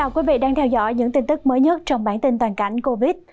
quý vị đang theo dõi những tin tức mới nhất trong bản tin toàn cảnh covid